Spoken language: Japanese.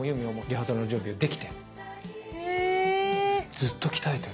ずっと鍛えてる。